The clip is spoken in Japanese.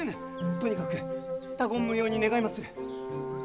とにかく他言無用に願いまする。